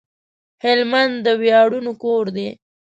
هلمند د وياړونو کور دی